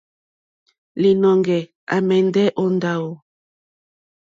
Līnɔ̄ŋgɛ̄ à mɛ̀ndɛ́ ó ndáwù.